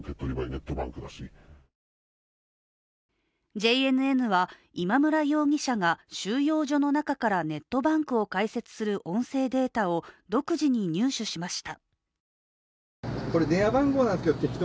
ＪＮＮは、今村容疑者が収容所の中からネットバンクを開設する音声データを独自に入手しました。